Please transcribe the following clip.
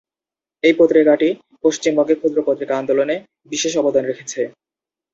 এই পত্রিকাটি পশ্চিমবঙ্গে ক্ষুদ্র পত্রিকা আন্দোলনে বিশেষ অবদান রেখেছে।